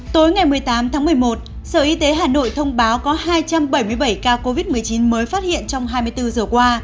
tối ngày một mươi tám tháng một mươi một sở y tế hà nội thông báo có hai trăm bảy mươi bảy ca covid một mươi chín mới phát hiện trong hai mươi bốn giờ qua